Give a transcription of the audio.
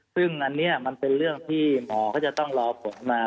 ซึ่งอันนี้มันเป็นเรื่องที่หมอก็จะต้องรอผลมา